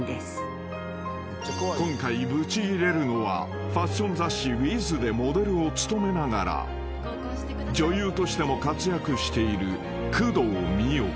［今回ブチギレるのはファッション雑誌『ｗｉｔｈ』でモデルを務めながら女優としても活躍している］